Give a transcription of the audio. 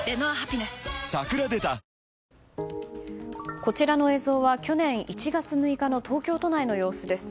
こちらの映像は去年１月６日の東京都内の様子です。